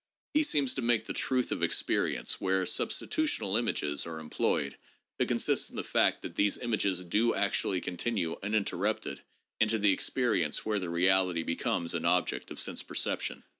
He seems to make the truth of experience where substitutional images are employed, to consist in the fact that these images do actually continue uninterruptedly into the experience where the reality becomes an object of sense perception.